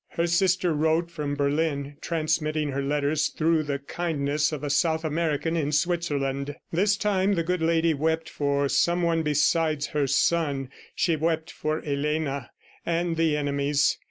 Her sister wrote from Berlin, transmitting her letters through the kindness of a South American in Switzerland. This time, the good lady wept for some one besides her son; she wept for Elena and the enemies.